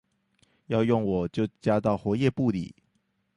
要用我就加到活頁簿裡